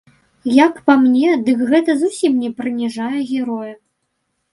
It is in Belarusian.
Як па мне, дык гэта зусім не прыніжае героя.